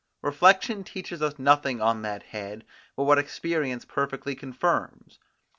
Reflection teaches us nothing on that head, but what experience perfectly confirms.